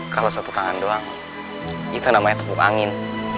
kalau satu tangan doang itu namanya tepuk angin